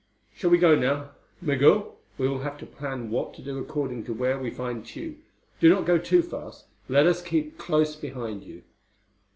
"Shall we go now? Migul, we will have to plan what to do according to where we find Tugh. Do not go too fast; let us keep close behind you."